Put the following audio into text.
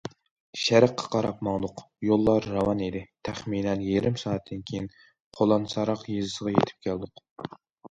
شەرققە قاراپ ماڭدۇق، يوللار راۋان ئىدى، تەخمىنەن يېرىم سائەتتىن كېيىن، قۇلانساراق يېزىسىغا يېتىپ كەلدۇق.